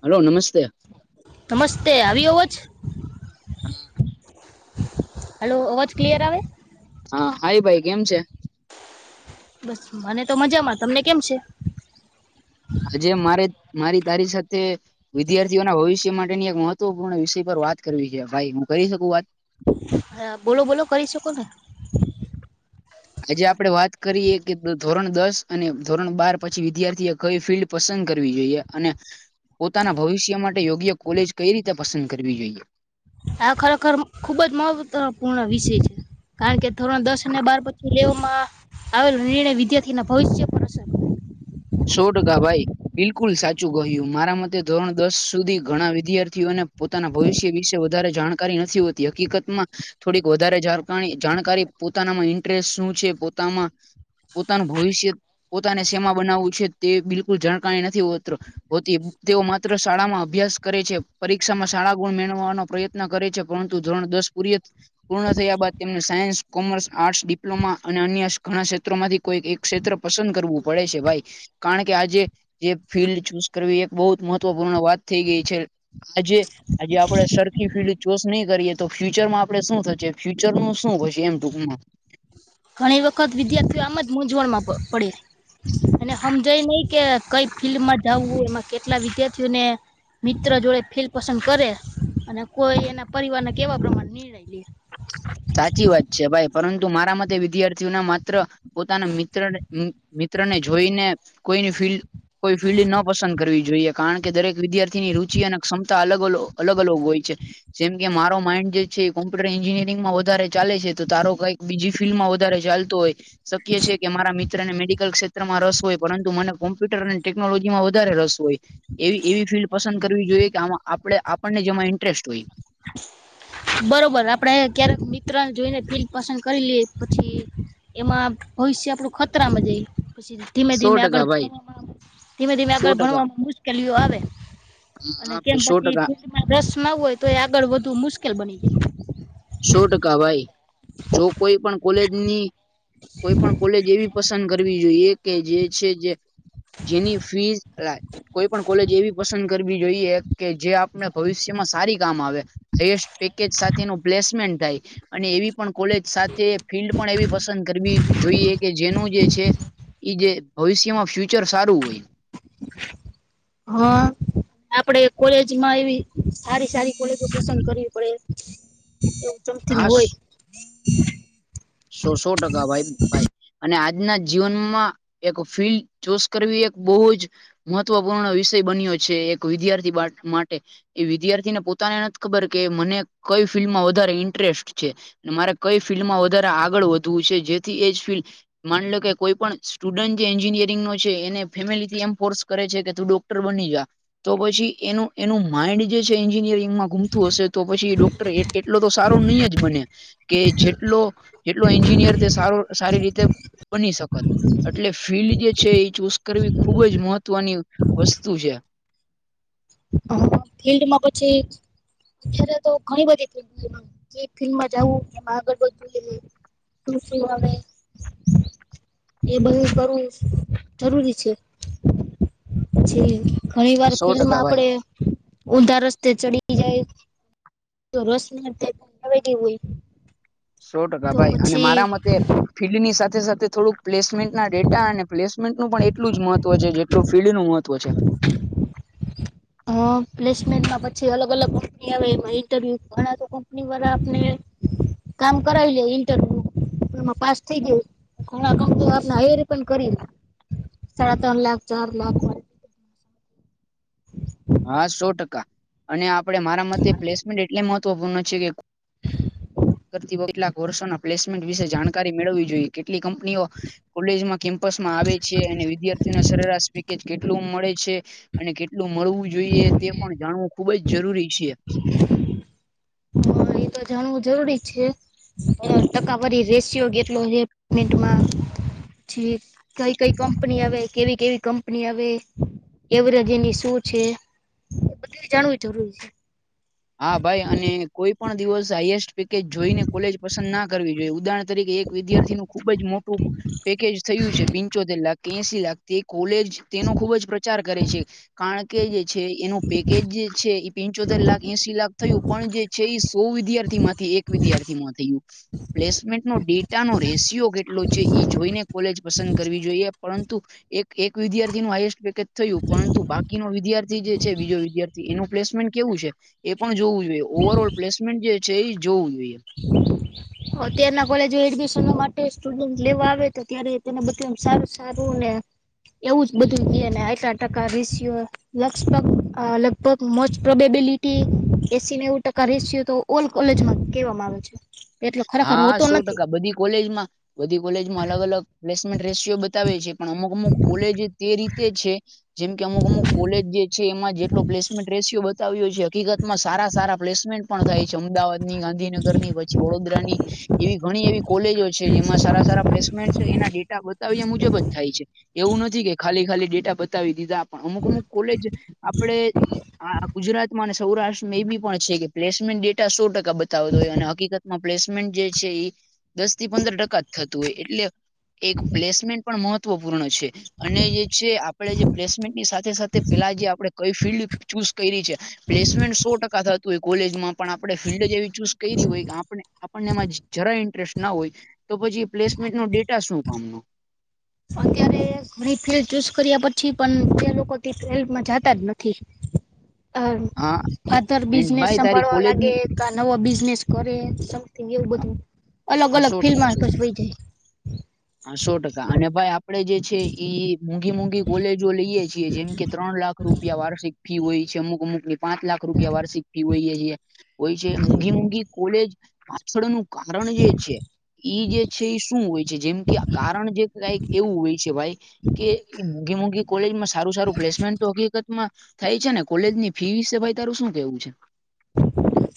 Hello નમસ્તે નમસ્તે આવી હોોજ હા હલો અવાજ ક્લિયર આવે હા હાઈ ભાઈ કેમ છે બસ મને તો મજામાં તમને કેમ છે આજે મારે મારી તારી સાથે વિદ્યાર્થીઓના ભવિષ્ય માટેની એક મહ ત્વપૂર્ણ વિષય પર વાત કરવી છે ભાઈ હું કરી શકું વાત. હ બોલો બોલો કરી શકો ને. આજે આપડે વાત કરીએ કે ધોરણ દસ અને ધોરણ બાર પછી વિદ્યાર્થી એ કઈ ફિલ્ડ. પસંદ કરવી જોઈએ અને પોતાના ભવિષ્ય માટે યોગ્ય કોલેજ કઈ રીતે પસંદ કરવી જોઈએ આ ખરેખર ખુબ જ મહત્વપૂર્ણ વિષય છે કારણ કે ધોરણ દસ અને બાર પછી લેવામાં આવેલો નિર્ણય વિદ્યાર્થી ના ભવિષ્ય પર અસર કરે. સો ટકા ભાઈ બિલકુલ સાચું કહ્યું મારા મતે ધોરણ દસ સુધી ઘણા વિદ્યાર્થીઓને. પોતાના ભવિષ્ય વિશે વધારે જાણકારી નથી હોતી હકીકતમાં. થોડીક વધારે જાણ જાણકારી પોતાનામાં ઇન્ટરેસ્ટ શું છે પોતામાં. પોતાનું ભવિષ્ય પોતાને સેમા બનાવવું છે તે બિલકુલ જાણકારી નથી ઉતર. હોતી તેઓ માત્ર શાળામાં અભ્યાસ કરે છે પરીક્ષામાં શાળા ગુણ મેળવાનો પ્રયત્ન. કરે છે પરંતુ ધોરણ દસ પૂરીય. પૂર્ણ થયા બાદ તેમને સાયન્સ કોમર્સ આર્ટસ ડિપ્લોમા અને અન્ય ઘણા ક્ષેત્રોમાંથી. કોઈ એક ક્ષેત્ર પસંદ કરવું પડે છે ભાઈ. કારણ કે આજે જે ફિલ્ડ ચૂઝ કરવી એક બહઉ જ મહત્વપૂર્ણ વાત થઈ ગઈ છે. આજે. આજે આપડે સરખી ફિલ્ડ ચૂસ નહી કરીએ તો ફ્યુચરમાં આપડે શું થશે ફ્યુચર નું શું થશે એમ ટૂંકમાં. ઘણી વખત વિદ્યાર્થીઓ આમ જ મૂઝવણમાં પડે. એને હમજાય નહી કે કઈ ફિલ્ડમાં જાવું એમાં કેટલા વિદ્યાર્થીઓને. મિત્ર જો એ ફિલ્ડ પસંદ કરે અને કોઈ એના પરિવારને કેવા પ્રમાણે નિર્ણય લે. સાચી વાત છે ભાઈ પરંતુ મારા મતે વિદ્યાર્થીઓ ના માત્ર. પોતાના મિત્ર મિત્રને જોઈને કોઈની ફિલ્ડ. કોઈ ફિલ્ડ ન પસંદ કરવી જોઈએ કારણ કે દરેક વિદ્યાર્થીની રુચિ અને ક્ષમતા અલગ અ અલગ અલગ હોય છે. જેમ કે મારો માઇન્ડ જે છે કોમ્પ્યુટર એન્જિનિયર. માં વધારે ચાલે છે તો તારો કઈક બીજી ફિલ્ડ માં વધારે ચાલતો હોય. શક્ય છે કે મારા મિત્રને મેડિકલ ક્ષેત્રમાં રસ હોય પરંતુ મને કોમ્પ્યુટર અને ટેક. નોલોજી માં વધારે રસ હોય. એવી એવી ફિલ્ડ પસંદ કરવી જોઈએ કે આમાં આપડે આપણને જેમાં ઇન્ટરેસ્ટ હોય. બરોબર આપણે ક્યારેક મિત્રને જોઈને ફીલ પસંદ કરી લઈએ પછી. એમાં ભવિષ્ય આપડું ખતરામાં જાય પછી ધીમે સો ધીમે આગળ ટકા ભાઈ ભણવામાં. ધીમે ધીમે સો આગળ ટકા ભણવામાં મુશ્કેલીઓ આવે અને હા કેમ સો પછી. ટકા રસ ના હોય તો એ આગળ વધુ મુશ્કેલ બની જાય. સો ટકા ભાઈ જો કોઈ પણ કોલેજની કોઈ પણ કોલેજ એવી. પસંદ કરવી જોઈએ કે જે છે જે. જેની ફીસ અલા કોઈ પણ કોલેજ એવી પસંદ. કરવી જોઈએ કે જે આપણે ભવિષ્યમાં સારી કામ આવે હાઈસ્ટ પેકેજ સાથે નુ. પ્લેસમેન્ટ થાય અને એવી પણ કોલેજ સાથે ફિલ્ડ પણ એવી પસંદ કરવી. જોઈએ કે જેનું જે છે એ જે ભવિષ્યમાં ફ્યુચર સારું હોય. હા. આપડે કોલેજમાં એવી સારી સારી કોલેજો પસંદ કરવી પડે. ચમથી ન હા હોય. સો સો ટકા ભાઈ. ભાઈ અને આજના જીવનમાં એક ફિલ્ડ ચૂસ કરવી એક બહુ જ. મહત્વપૂર્ણ વિષય બન્યો છે એક વિદ્યાર્થી માટે. એ વિદ્યાર્થી ને પોતાને નથી ખબર કે મને કઈ ફિલ્ડમાં વધારે ઇન્ટરેસ્ટ છે. મારે કઈ ફિલ્ડમાં વધારે આગળ વધવું છે જેથી એજ ફિલ્ડ. માન લો કે કોઈ પણ સ્ટુડન્ટ જે એન્જિનિયરિંગ નો છે એને ફેમિલીથી એમ ફોર્સ. કરે છે કે, તું ડોક્ટર બની જા. તો પછી, એનું એનું માઇન્ડ જે છે, એન્જિનિયરિંગમાં ગુમતું હશે, તો પછી ડોક્ટર એટલો તો સારો નહીં જ બને. કે જેટલો જેટલો એન્જિનિયર તે સાર સારી રીતે બની શકત એટલે ફિલ્ડ જે છે એ ચૂઝ કરવી. ખુબ જ મહત્વની વસ્તુ છે. હ ફિલ્ડમા પછી. અત્યારે તો ઘણી બધી ફિલ્ડ થઈ કઈ ફિલ્ડમાં જાઉ કેમાં આગળ વધવું. શું શું આવે. એ બધું કરવું જરૂરી છે જે. ઘણી વાર સો ફિલ્ડમાં ટકા ભાઈ આપડે ઊંધા રસ્તે ચડી જાય તો રસ મળતા ત ભ કેી હોય સો ટકા, તો ભાઈ, અને પછી મારા મતે ફિલ્ડની સાથે સાથે, થોડુંક પ્લેસમેન્ટના ડેટા અને પ્લેસમેન્ટનું પણ એટલું જ મહત્વ છે, જે એટલું ફીલ્ડ નું મહત્વ છે. અ પ્લેસમેન્ટમાં, પછી અલગ અલગ કંપની આવે. એમાં ઇન્ટરવ્યુ, ઘણા તો કંપની વારા આપણે કામ કરાવી લે ઇન્ટરવ્યુ એમાં પાસ થઈ ગયું ઘણા કંપની આપને હાયર પણ કરી લે. સાડા ત્રણ, લાખ ચાર લાખ હા સો ટકા અને આપડે મારા મતે પ્લેસમેન્ટ એટલે મહત્વપૂર્ણ છે કે [unintelligible] કર કેટલાક વર્ષોના પ્લેસમેન્ટ વિશે જાણકારી મેળવવી જોઈએ કેટલી કંપનીઓ કોલેજમાં કેમ્પસ માં આવે છે અને વિદ્યાર્થીઓને સરેરાશ પેકેજ કેટલું મળે છે? અને કેટલું મળવું જોઈએ, તે પણ જાણવું ખુબ જ જરૂરી છે. [unintelligible] તો જાણવું જરૂરી છે. તકા ફરી રેશિયો કેટલો પેમેન્ટમા જી કંઈ કંઈ કંપની આવે, કેવી કેવી કંપની આવે? એવરેજની શું છે, એ બધું જાણવું જરૂરી છે. હા, ભાઈ, અને કોઈ પણ દિવસ હાઈએસ્ટ પેકેજ જોઈને કોલેજ પસંદ ના કરવી જોઈએ. ઉદાહરણ તરીકે એક વિદ્યાર્થી નું ખુબજ મોટું પેકેજ થયું છે, પિંચોતેર લાખ કે એશી લાખ. તે કોલેજ તેનો ખૂબ જ પ્રચાર કરે છે. કારણ કે, જે છે, એનું પેકેજ, જે છે, એ પિંચોતેર લાખ. એસી લાખ થયું, પણ જે છે, એ સો વિદ્યાર્થી માંથી એક વિદ્યાર્થી માં થયું. પ્લેસમેન્ટ નો ડેટા નો રેશિયો કેટલો છે, ઈ જોઈને કોલેજ પસંદ કરવી જોઈએ. પરંતુ, એક એક વિદ્યાર્થી નું હાઈએસ્ટ પેકેજ થયું, પરંતુ બાકીનો વિદ્યાર્થી, જે છે, બીજો વિદ્યાર્થી એનું પ્લેસમેન્ટ કેવું છે? એ પણ જોવું જોઈએ. ઓવર ઓલ પ્લેસમેન્ટ, જે છે, એ જોવું જોઈએ અત્યારના કોલેજો એડમિશન માટે સ્ટુડન્ટ લેવા આવે, તો ત્યારે તેને બધું માં સારું સારું ને એવું જ બધું ને આટલા ટકા રીસિયો લગભગ, લગભગ, મોસ્ટ પ્રોબેબિલીિટી, એસી ને એવું ટકા રેસિયો, તો ઓલ કોલેજમાં કહેવામાં આવે છે. એટલે ખરેખર હા, હોતો સો નથી. ટકા બધી કોલેજ માં બધી કોલેજમાં અલગ અલગ પ્લેસમેન્ટ રેશિયો બતાવે છે, પણ અમુક અમુક કોલેજ તે રીતે છે, જેમ કે અમુક અમુક કોલેજ, જે છે, એમાં જેટલો પ્લેસમેન્ટ રેશિયો આવ્યો છે. હકીકત માં, સારા સારા પ્લેમેન્ટ પણ થાય છે, અમદાવાદ ની, ગાંધીનગર ની વડોદરાની એવી ઘણી એવી કોલેજો છે, જેમાં સારા સારા પ્લેસમેન્ટ એના ડેટા મુજબ જ થાય છે. એવું નથી કે, ખાલી ખાલી ડેટા બતાવી દીધા, પણ અમુક અમુક કોલેજ આપડે હા, ગુજરાતમાં અને સૌરાષ્ટ્રમાં એ બી પણ છે કે, પ્લેસમેન્ટ ડેટા સો ટકા બતાવતો હોય, અને હકીકત પ્લેસમેન્ટ, જે છે, એ દસ થી પંદર ટકા જ થતું હોય, એટલે એક પ્લેસમેન્ટ પણ મહત્વપૂર્ણ છે. અને જે છે આપડે જે પ્લેસમેન્ટની સાથે સાથે પેલા જે આપડ કઈ ફિલ્ડ ચૂઝ કરી છે. પ્લેસમેન્ટ સો ટકા થતું હોય કોલેજમાં પણ આપણે ફિલ્ડ એવી ચૂઝ કર હોય કે આપણને એમાં જરા ઇન્ટરેસ્ટ ના હોય તો પછી પ્લેસમેન્ટ નો ડેટા શું કામનો. અત્યારે ઘણી ફિલ્ડ ચૂઝ કર્યા પછી પણ, તે લોકો ફિલ્ડમાં જાતા જ નથી. અ હા આધર એન્ડ બિઝનેસ ભાઈ તારી સંભાળવા લાગે. કોલેજની કે નવો બિઝનેસ કરે, સમિંગ એવું, બધું અલગ હા સો અલગ ટકા ફિલ્ડમાં સો હોય ટકા જાય. હા, સો ટકા. અને ભાઈ, આપડે, જે છે, એઈ મોંઘી મોંઘી કોલેજો લઈએે છીએ, જેમ કે ત્રણ લાખ રૂપિયા વાર્ષિક ફી હોય છે, અમુક અમુક પાંચ લાખ રૂપિયા વાર્ષિક ફી હોયએ છીએ હોય છે. મોંઘી મોઘી કોલેજ પાછળનું કરણી જે. ઈ જે છે એ શું હોય છે. જેમ કે કારણ જે કઈક એવું હોય છે ભાઈ કે મોઘી મોઘી કોલેજમાં સારું સારું પ્લેસમેન્ટ તો હકીકત માં થાય છે ને કોલેજ ની ફી વિશે ભાઈ તારું શું કેવું છે?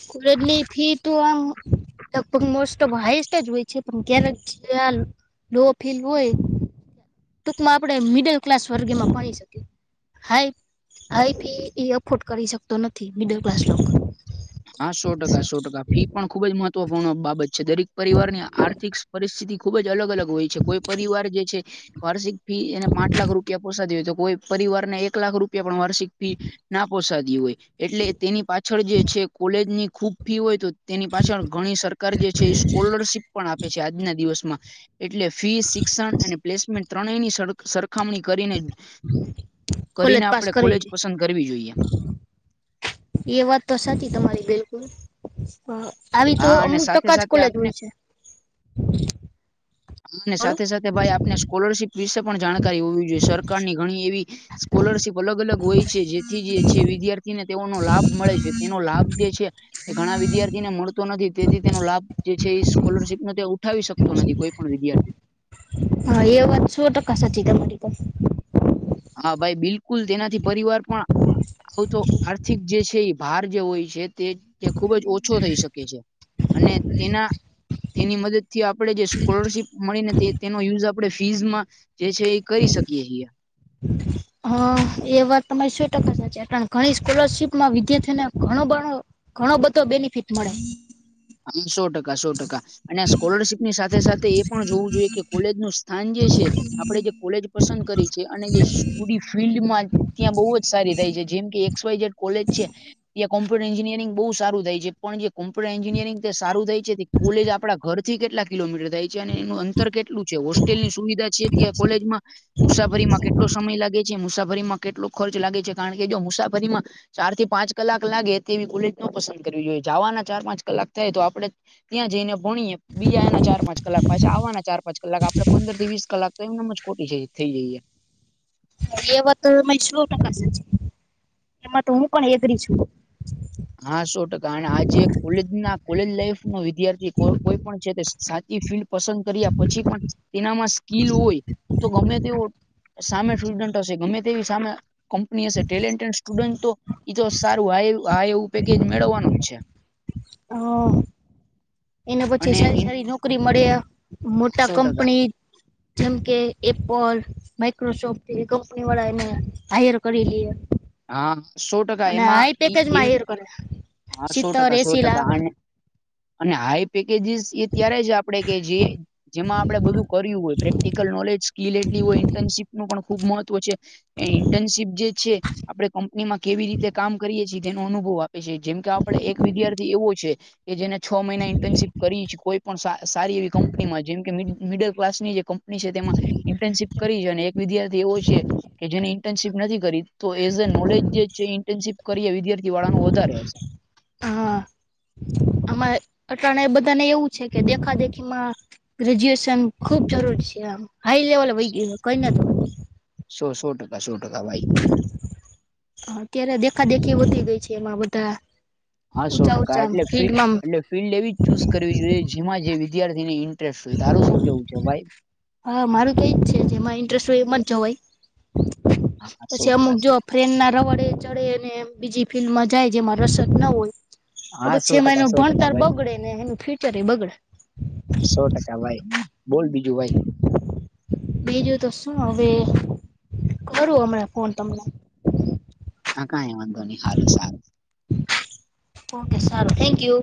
સ્કુરેટલી ફી તો અમ- લગભગ મોસ્ટ ઓફ હાાઈસ્ટ જ હોય છે. પણ ક્યારેાલ લો ફીલ હોય ટૂકમાં આપણે મિડલ ક્લાસ વર્ગમાં ભણી શકીએ. હાઈ હાઈી એ અફોર્ડ કરી શકતો નથી મિડલ ક્લાસ લોકો. હા સો ટકા સો ટકા ફી પણ ખુબ જ મહત્વપૂર્ણ બાબત છે. દરેક પરિવારની આર્થિક પરિસ્થિતિ ખુબ જ અલગ અલગ હોય છે. કોઈ પરિવાર જે છે વાર્ષિક ફી એને પાંચ લાખ રૂપિયા પોસા હોય તો કોઈ પરિવાર ને એક લાખ રૂપ પણ વાર્ષિક ફી ના પોસાદી હોય. એટલે તેની પાછળ જે છે કોલેજ ની ખુબ ફી હોય તો. તેની પાછળ ઘણી સરકાર જે છે એ સ્કોલરશીપ પણ આપે છે. આજના દિવસમાં એટલે ફી શિક્ષણ અને પ્લેસમેન્ટ ત્રણેયની સર સરખામણી કરીને કરીને કોલેજ પાસ આપડે કરી કોલેજ જાય. પસંદ કરવી જોઈએ. એ વાત તો સાચી તમારી બિલકુલ. હ આવી તો હા અને અમુક સાથે ટકા જ સાથે કોલેજ આપણે હોય છે. અને બોલો સાથે સાથે ભાઈ આપને સ્કોલરશીપ વિશે પણ જાણકારી હોવી જોઈએ. સરકારની ઘણી એવી સ્કોલરશિપ અલગ અલગ હોય છે જેથી જે છે વિદ્યાર્થી ને તેઓનો લાભ મળે છે. તેનો લાભ જે છે. એ ઘણા વિદ્યાર્થી ને મળતો નથી. તેથી તેનો લાભ સ્કોલરશીપ નો તે ઉઠાવી શકતો નથી. કોઈ પણ વિદ્યાર્થી હા એ વાત સો ટકા સાચી તમારી પર. હા ભાઈ બિલકુલ તેનાથી પરિવાર પણ આવું તો આર્થિક જે છે એ ભાર જે હોય છે તે તે ખુબ ઓછો થઈ શકે. અને તેના તેની મદદ થી આપણે જે સ્કોલરશીપ મળી ને તે તેનો યુઝ આપણે ફીઝમાં જે છે એ કરી શકીએ છીએ. હ એ વાત તમારી સો ટકા સાચી. ઘણી સ્કોલરશીપ માં વિદ્યાર્થીઓને ઘણો બણો ઘણો બધો બેનિફિટ મળે. સો ટકા સો ટકા. અને આ સ્કોલરશીપ ની સાથે સાથે એ પણ જોવું જોઈએ કે કોલેજ નું સ્થાન જે છે. આપડણે જે કોલેજ પસંદ કરી છે. અને જે પૂરી ફિલ્ડમાં ત્યાં બહુ જ સારી થાય છે. જેમ કે એક્સવાય જેડ કોલેજ છે ત્યાં કોમ્પુટર એન્જિનિયરિ બુ સારું થાય છે. પણ જે કોમ્પ્યટર એન્જનયરંગ સારું થાય છે. કોલેજ આપણા ઘરથી કેટલા કિલોમીટર થાય છે અને એનું અંતર કેટલું છે. લની સુવિધા છે ત્યાં કોલેજમાં? મુસાફરીમાં કેટલો સમય લાગે છે મુસાફરીમાં કેટલો ખર્ચ લાગે છે. કારણ કે જો મુસાફરીમાં ચાર થી પાંચ કલાક લાગે તેવી કોલેજ નો પસંદ કરવી જોઈએ. જવાના ચાર પાંચ કલાક થાય તો આપડે ત્યાં જઈને ભણીએ બીજા એના ચાર પાંચ કલાક પાછી આવવાના ચારં પાંચ કલાક આપડે પંદર થી વીસ કલાક તો એમનેમ જ ખોટી થઈ જઈએ એ વાતરી સો ટકા એમાં તો હું પણ એગરી છું હા સો ટકા અને આજે કોલેજ ના કોલેજ લાઈફ નો વિદ્યાર્થી કોઈ પણ છે તે સાચી ફિલ્ડ પસંદ કર્યા પછી પણ તેનામાં સ્કીલ હોય તો ગમે તે સામે સ્ટુડન્ટ હશે ગમે તેવી સામે કંપની હશે ટેલેન્ટેડ સ્ટુડન્ટ તો તો સારું આ એવું પેકેજ મેળવવાનું જ છે. હા. એના પછી અને સારી સારી નોકરી મળે. મોટા સો ટકા કંપની જેમ કે એપ. માઇક્રોસોફ્ટથી કંપની વાળા એને હાયર કરી લ. હા સો ટકા એમાં એવી હાયર કરે હા સો સિત્તેર ટકા સો એસી ટકા લાખ અને અને હાઈ પેકેજીસ એ ત્યારે જ આપણેે કે જે જેમાં આપણે બધું કર્યું હોય પ્રેક્ટિકલ નોલેજ સ્કીિલ એટલી હોય ઇન્ટર્નશીપ પણ ખુબ મહત્વ છે એ ઇન્ટર્નશીપ જે છે આપે કંપનીમાં કેવી રીતે કામ કરી તેનો અનુભવ આપે છે જેમ કે આપડ એક વિદ્યાર્થી એવો છે કે જેને છ મહિના ઇન્ટર્નશીપ કરી છી કોઈ પણ સારી એવી કંપનીમાં જેમ કે મિડલ ક્લાસ ની જે કંપની છે તેમાં ઇન્ટર્નશીપ કરી છે અને એક વિદ્યાર્થી એવો છે કે જેને ઇન્ટર્નશીપ નથી કરી તો એઝ અ નોલેજ જે છે ઇન્ટર્નશીપ કરી વિદ્યાર્થી વાળા વધારે હશે હા આમાં અટણા બધાને એવું છે કે દેખા દેખીમાં ગ્રેજ્યુએશન ખુબ જરૂરી છે આમ હાઈ લેવલ વ ગય કઈ નને તો સો સો ટકા સો ટકા ભાઈ અત્યારે દેખા દેખી વધી ગઈ છે એમાં બધા હસો ઊંચા ટકા ઊંચા એટલે ફી ફિલ્ડમાં એટલે ફિલ્ડ એવી ચૂઝ કરવી જોઈએ જેમાં જે વિદ્યાર્થીને ઇન્ટરેસ્ટ હોય તારું શું કેવું છે ભાઈ હા મારું તો એજ છે જેમાં ઇન્ટરેસ્ટ હોય એમ જ જવાય હા સો પછી અમુક ટકા સો જોબ ફ્રેન ના રવડે ચડે અને બીજી ફિલ્ડમાં જાય જેમાં રસદ ના હોય હા પછછ સો એમાં એનો ટકા સો ટકા ભણતર ભાઈ બગડે ને એનું ફીટર બગડે સો ટકા ભાઈ બોલ બીજું ભાઈ બીજું તો શું હવે કરું હમણાં ફોન તમને હા કં વાંધો ન હાલો સારું ઓકે સરાર થેન્ક યુ